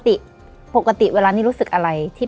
และยินดีต้อนรับทุกท่านเข้าสู่เดือนพฤษภาคมครับ